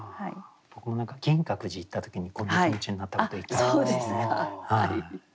僕も何か銀閣寺行った時にこんな気持ちになったことありますね。